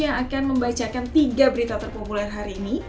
yang akan membacakan tiga berita terpopuler hari ini